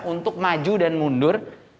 untuk maju dan mundur